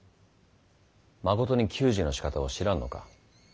まことに給仕のしかたを知らぬのか。